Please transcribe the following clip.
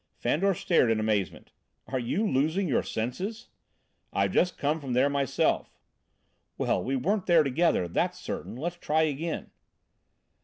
Fandor stared in amazement. "Are you losing your senses?" "I've just come from there myself!" "Well, we weren't there together, that's certain. Let's try again."